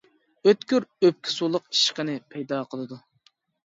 ئۆتكۈر ئۆپكە سۇلۇق ئىششىقىنى پەيدا قىلىدۇ.